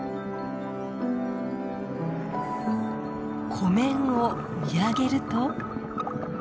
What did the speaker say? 湖面を見上げると。